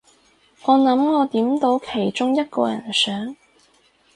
我諗我點到其中一個人相